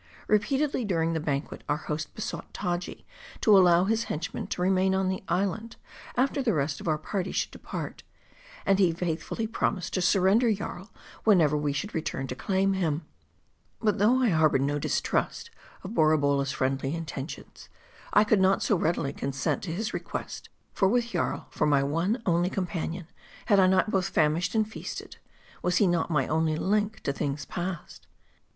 Repeatedly during the banquet, our host besought Taji to allow his henchman to remain on the island, after the rest of our party should depart ; and he faithfully promised to surrender Jarl, whenever we should return to claim him. But though I harbored no distrust of Borabolla' s friendly intentions, I could not so readily consent to his request ; for with Jarl for my one only companion, had I not both fam ished and feasted ? was he not my only link to things past